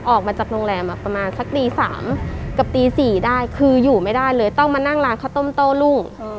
ออกมาจากโรงแรมประมาณสักตี๓กับตี๔ได้คืออยู่ไม่ได้เลยต้องมานั่งร้านข้าวต้มโต้รุ่ง